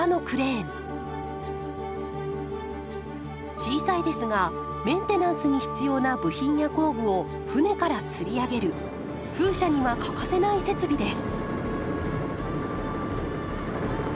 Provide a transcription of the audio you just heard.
小さいですがメンテナンスに必要な部品や工具を船からつり上げる風車には欠かせない設備です。